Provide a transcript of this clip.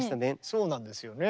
そうなんですよね。